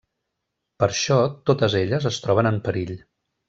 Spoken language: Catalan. Per això, totes elles es troben en perill.